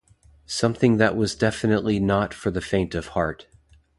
Something that was definitely not for the faint of heart.